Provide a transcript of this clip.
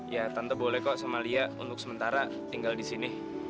ya tante boleh kok sama lia untuk sementara tinggal di sini